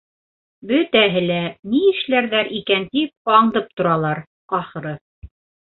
Бөтәһе лә, ни эшләрҙәр икән, тип аңдып торалар, ахыры.